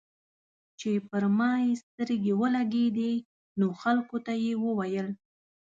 چې پر ما يې سترګې ولګېدې نو خلکو ته یې وويل.